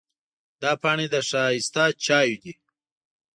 دا پاڼې د ښایسته چایو دي.